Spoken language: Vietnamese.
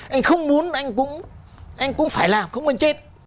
anh không muốn anh cũng phải làm không cần chết